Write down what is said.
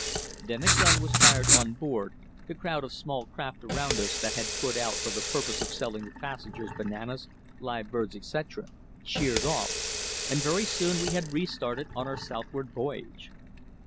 Then a gun was fired on board, the crowd of small craft around us that had put out for the purpose of selling the passengers bananas, live birds, etc., sheered off, and very soon we had restarted on our southward voyage.